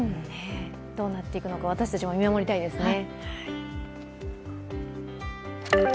どうなっていくのか、私たちも見守りたいですね。